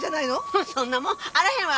フンそんなもんあらへんわ。